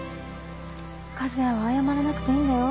和也は謝らなくていいんだよ。